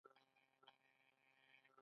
د روح د مینځلو لپاره باید څه شی وکاروم؟